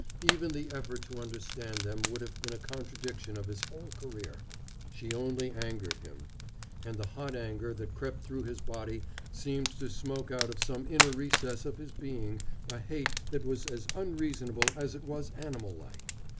Even the effort to understand them would have been a contradiction of his whole career. She only angered him. And the hot anger that crept through his body seemed to smoke out of some inner recess of his being a hate that was as unreasonable as it was animal like.